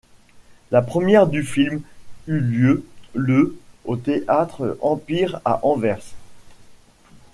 La première du film eut lieu le au théâtre Empire à Anvers.